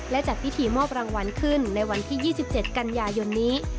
และจัดพิธีมอบรางวัลขึ้นในวันที่๒๗กันยายนนี้